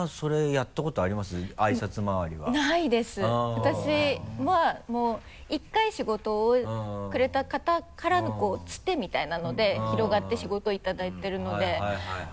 私はもう１回仕事をくれた方からのツテみたいなので広がって仕事いただいているのでまだそういう。